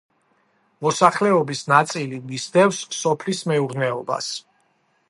მოსახლეობის ნაწილი მისდევს სოფლის მეურნეობას.